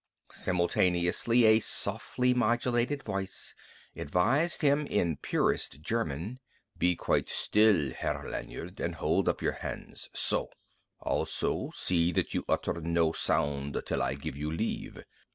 Simultaneously a softly modulated voice advised him in purest German: "Be quite still, Herr Lanyard, and hold up your hands so! Also, see that you utter no sound till I give you leave....